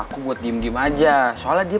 aku buat diem diem aja soalnya dia